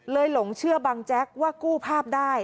หลงเชื่อบังแจ๊กว่ากู้ภาพได้